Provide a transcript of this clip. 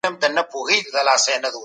خپل ذهن په نېکو فکرونو بوخت وساتئ.